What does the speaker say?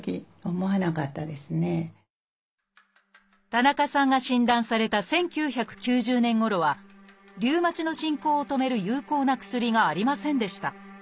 田中さんが診断された１９９０年ごろはリウマチの進行を止める有効な薬がありませんでした。